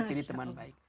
jadi teman baik